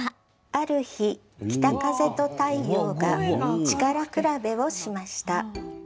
ある日、北風と太陽が力比べをしました。